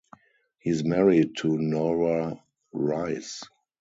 He is married to Nora Rice.